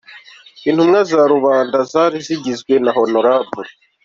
Intumwa za rubanda zari zigizwe na Hon.